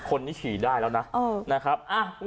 คนนี้ฉี่ได้แล้วนะเออนะครับอ่า